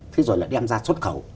thế rồi lại đem ra xuất khẩu